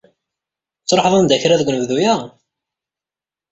Ad truḥeḍ anda kra deg unebdu-ya?